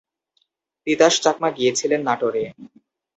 তিতাস চাকমা গিয়েছিলেন নাটোরে।